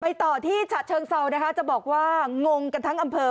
ไปต่อที่ฉัดเชิงเซาจะบอกว่างงกันทั้งอำเภาะครับ